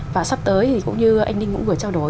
và sắp tới thì cũng như anh ninh cũng vừa trao đổi